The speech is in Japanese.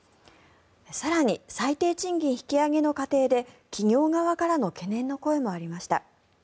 更に、最低賃金引き上げの過程で企業側からの懸念の声もありました。